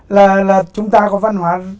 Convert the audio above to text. là chúng ta có văn hóa